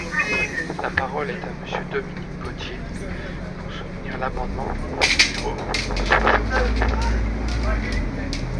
La parole est à Monsieur Dominique Potier, pour soutenir l’amendement numéro soixante-sept.